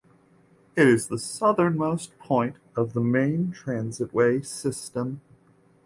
It is the southernmost point of the main transitway system.